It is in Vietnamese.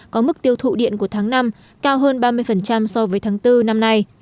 có mức tiêu thụ điện của tháng năm cao hơn ba mươi so với tháng bốn năm nay